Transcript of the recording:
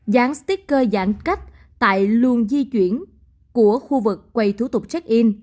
dán sticker dán cách tại luồng di chuyển của khu vực quay thủ tục check in